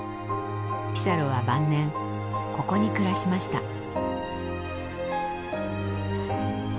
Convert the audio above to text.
ピサロは晩年ここに暮らしました。